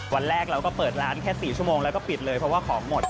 วันแรกเราก็เปิดร้านแค่๔ชั่วโมงแล้วก็ปิดเลยเพราะว่าของหมด